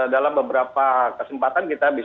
dalam beberapa kesempatan kita bisa